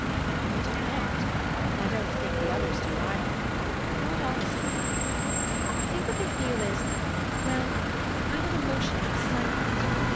"I do not! And I don't think the others do either. Not honestly, I mean. I think that what they feel Is — well, a kind of emo tional excitement.